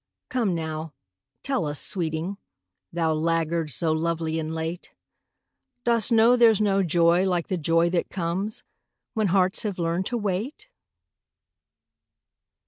Come now tell us, sweeting, Thou laggard so lovely and late, Dost know there's no joy like the joy that comes When hearts have learned to wait?